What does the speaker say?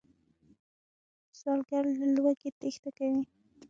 سوالګر له لوږې تېښته کوي